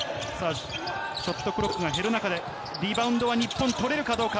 ショットクロックが減る中で、リバウンドは日本取れるか？